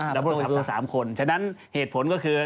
ครับตัววิศาสตร์๓คนฉะนั้นเหตุผลก็คือ